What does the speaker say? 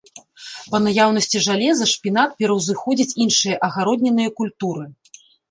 Па наяўнасці жалеза шпінат пераўзыходзіць іншыя агароднінныя культуры.